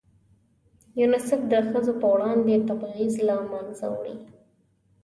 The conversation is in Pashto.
یونیسف د ښځو په وړاندې تبعیض له منځه وړي.